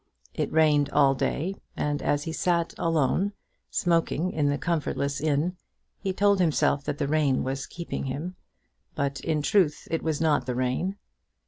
It rained all day, and as he sat alone, smoking in the comfortless inn, he told himself that the rain was keeping him; but in truth it was not the rain.